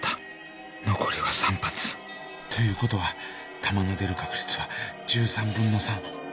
残りは３発。ということは弾の出る確率は１３分の３